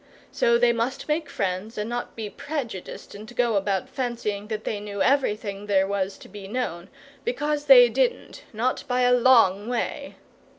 So they must make friends, and not be prejudiced and go about fancying they knew everything there was to be known, because they didn't, not by a long way.